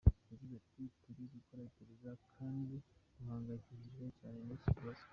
Yagize ati “ Turi gukora iperereza kandi duhangayikishijwe cyane n’iki kibazo.